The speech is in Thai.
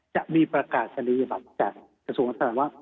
จะมีประกาศสนียบัตรจากกระทรวงวัฒนธรรมว่า